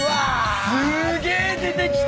すげえ出てきた。